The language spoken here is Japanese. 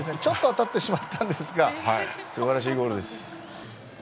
当たってしまったんですがすばらしいゴールでした。